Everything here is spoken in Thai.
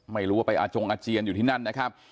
ไม่รู้ว่าไปอาจงอาเจียนอยู่ที่นั่นนะครับ